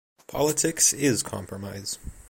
Politics is compromise.